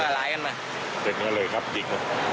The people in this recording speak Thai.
เสร็จแล้วเลยครับจริงหรือ